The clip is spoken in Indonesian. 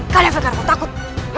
kalian fikir aku takut